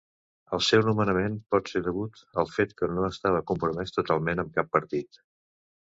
El seu nomenament pot ser degut al fet que no estava compromès totalment amb cap partit.